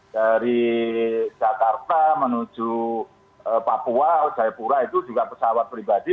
dari jakarta menuju papua jayapura itu juga pesawat pribadi